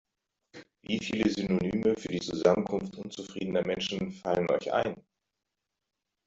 Wie viele Synonyme für die Zusammenkunft unzufriedener Menschen fallen euch ein?